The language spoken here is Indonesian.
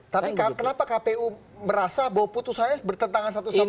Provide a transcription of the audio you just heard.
tapi kenapa kpu merasa bahwa putusannya bertentangan satu sama lain